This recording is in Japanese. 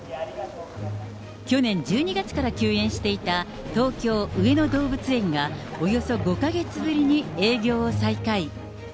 去年１２月から休園していた東京・上野動物園が、およそ５か月ぶりに営業を再開。